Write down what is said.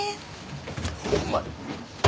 お前。